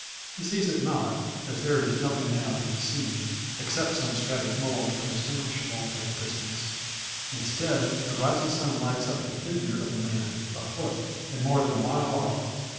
He sees it not, as there is nothing now to be seen, except some scattered mould undistinguishable at a distance. Instead, the rising sun lights up the figure of a man, afoot, and more than a mile off.